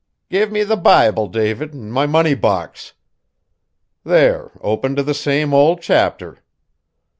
"Give me the Bible, David, an' my money box! There, open t' the same old chapter.